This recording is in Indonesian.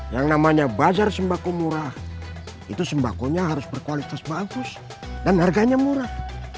yang namanya bazar sembako murah itu sembakonya harus berkualitas bagus dan harganya murah